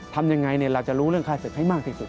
ทำยังไงเราจะรู้เรื่องค่าศึกให้มากที่สุด